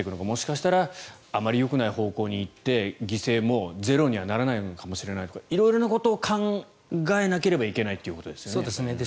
もしかしたらあまりよくない方向に行って犠牲もゼロにはならないかもしれないとか色々なことを考えなければいけないということですよね。